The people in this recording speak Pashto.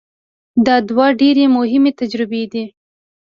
دا دوه ډېرې مهمې تجربې دي.